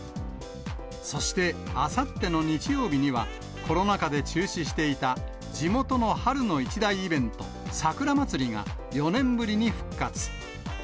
そしてあさっての日曜日には、コロナ禍で中止していた地元の春の一大イベント、さくらまつりが、４年ぶりに復活。